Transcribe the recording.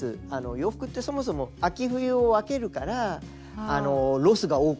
洋服ってそもそも秋冬を分けるからロスが多くなるんです。